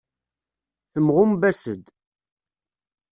Temɣumbas-d.